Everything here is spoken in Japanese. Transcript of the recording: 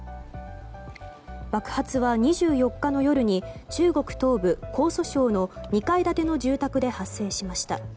爆発は２４日の夜に中国東部、江蘇省の２階建ての住宅で発生しました。